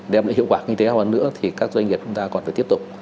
để có hiệu quả kinh tế hoàn hảo nữa thì các doanh nghiệp chúng ta còn phải tiếp tục